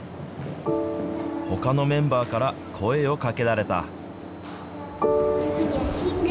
ほかのメンバーから声をかけられた。